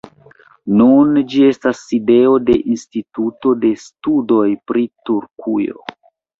Nun ĝi estas sidejo de instituto de studoj pri Turkujo.